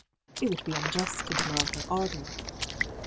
It would be unjust to deny her ardour.